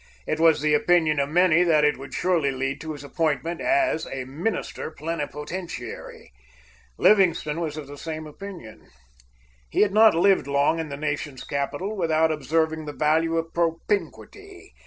It was the opinion of many that it would surely lead to his appointment as a minister plenipotentiary. Livingstone was of the same opinion. He had not lived long in the nation's capital without observing the value of propinquity.